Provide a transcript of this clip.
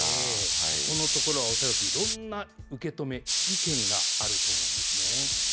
そこのところは恐らくいろんな受け止め、意見があると思うんですね。